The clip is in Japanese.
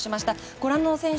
ご覧の選手